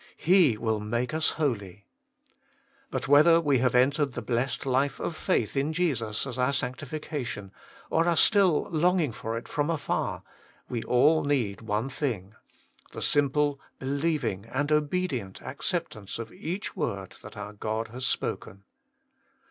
He will make us holy. But whether we have entered the blessed life of faith in Jesus as our sanctification, or are still longing for it from afar, we all need one thing, the simple, believing, 8 PREFACE. and obedient acceptance of each word that our God has spoken.